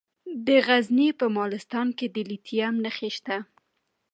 د غزني په مالستان کې د لیتیم نښې شته.